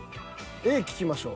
Ａ聞きましょう。